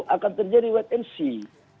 akan terjadi wet and sea